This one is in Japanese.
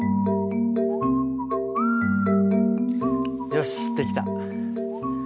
よしできた。